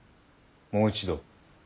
もう一度。